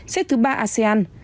xếp thứ ba asean